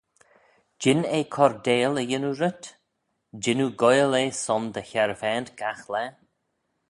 Jean eh coardail y yannoo rhyt? jean oo goaill eh son dty harvaant gagh-laa?